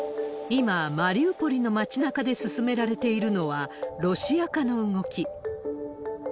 今、マリウポリの町なかで進められているのはロシア化の動き。